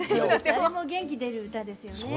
あれも元気出る歌ですよね。